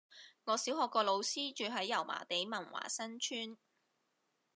我小學個老師住喺油麻地文華新村